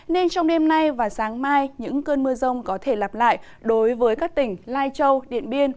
nên trong đêm nay và sáng mai những cơn mưa rông có thể lặp lại đối với các tỉnh lai châu điện biên